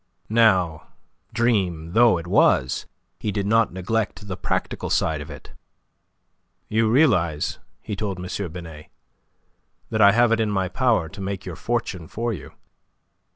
Now, dream though it was, he did not neglect the practical side of it. "You realize," he told M. Binet, "that I have it in my power to make your fortune for you."